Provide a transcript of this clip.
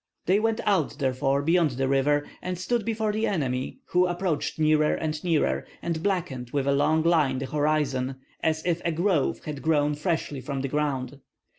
They went out therefore beyond the river, and stood before the enemy, who approached nearer and nearer, and blackened with a long line the horizon, as if a grove had grown freshly from the ground.